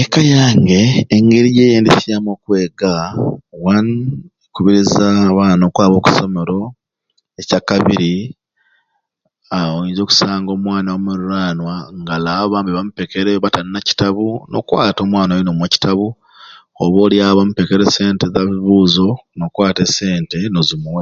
Eka yange engeri gyeyendesyamu okwega wanuu kukubiriza abaana okwaba okusomero ekyakabiri aa oyinza okusanga omwana wamulirwana nga alawo bambi bamupekere nga tali awo talina kitabu n'okwata omwana oyo n'omuwa ekitabu oba oli awo bamupekere sente za bibuzo n'okwata esente n'ozimuwa.